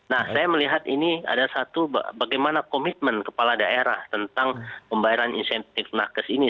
nah saya melihat ini ada satu bagaimana komitmen kepala daerah tentang pembayaran insentif nakes ini